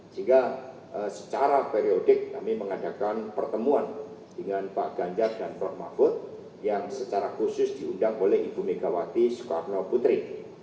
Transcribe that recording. sehingga secara periodik kami mengadakan pertemuan dengan pak ganjar dan prof mahfud yang secara khusus diundang oleh ibu megawati soekarno putri